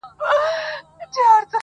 چي هر څه یې په دانو خواري ایستله-